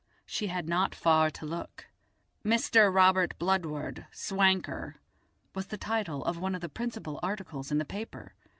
She had not far to look; "Mr. Robert Bludward, Swanker," was the title of one of the principal articles in the paper.